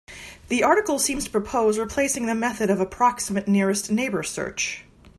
The article seems to propose replacing the method of approximate nearest neighbor search.